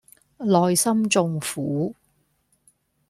內心縱苦